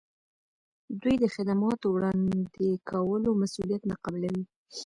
دوی د خدماتو وړاندې کولو مسولیت نه قبلوي.